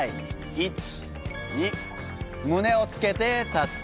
１２胸をつけて立つ。